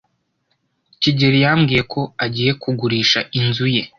kigeli yambwiye ko agiye kugurisha inzu ye.